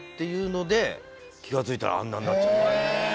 気がついたらあんななっちゃった。